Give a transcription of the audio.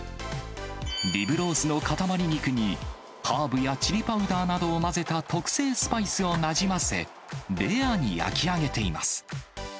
リブロースの塊肉に、ハーブやチリパウダーなどを混ぜた特製スパイスをなじませ、レアに焼き上げています。